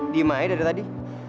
dima aja dari tadi